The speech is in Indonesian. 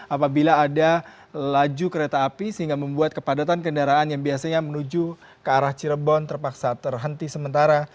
apabila ada laju kereta api sehingga membuat kepadatan kendaraan yang biasanya menuju ke arah cirebon terpaksa terhenti sementara